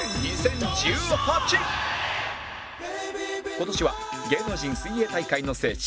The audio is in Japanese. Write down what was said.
今年は芸能人水泳大会の聖地